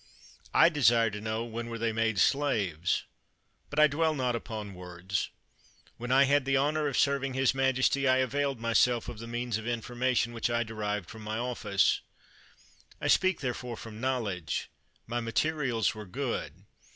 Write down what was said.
I desire to know, when were they made slaves ? But I dwell not upon words. When I had the honor of serving his Majesty, I availed myself of the means of information which I derived from my office. I speak, there fore, from knowledge. My materials were good.